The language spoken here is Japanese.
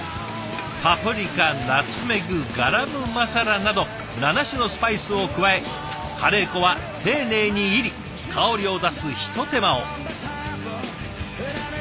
パプリカナツメグガラムマサラなど７種のスパイスを加えカレー粉は丁寧に煎り香りを出すひと手間を。